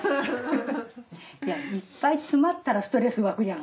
いっぱい詰まったらストレスわくやん。